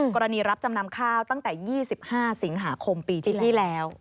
รับจำนำข้าวตั้งแต่๒๕สิงหาคมปีที่แล้ว